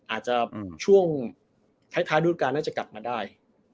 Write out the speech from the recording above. อาจจะช่วงท้ายดูดการณ์น่าจะกลับมาได้